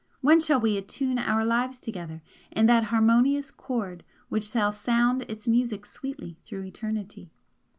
When shall we attune our lives together in that harmonious chord which shall sound its music sweetly through eternity?